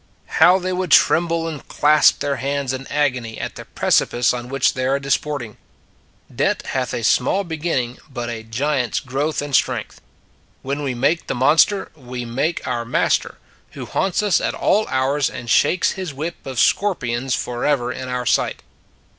How they would trem ble and clasp their hands in agony at the precipice on which they are disporting! Debt ... hath a small beginning but a giant s growth and strength. When we make the monster, we make our master, who haunts us at all hours and shakes his whip of scorpions forever in our sight.